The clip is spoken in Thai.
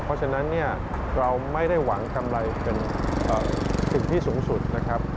เพราะฉะนั้นเนี่ยเราไม่ได้หวังกำไรเป็นสิ่งที่สูงสุดนะครับ